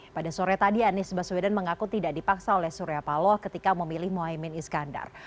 pada sore tadi anies baswedan mengaku tidak dipaksa oleh surya paloh ketika memilih mohaimin iskandar